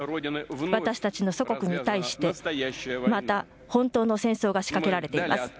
私たちの祖国に対して、また本当の戦争が仕掛けられています。